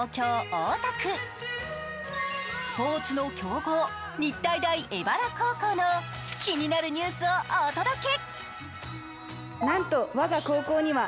スポーツの強豪・日体大荏原高校の気になるニュースをお届け。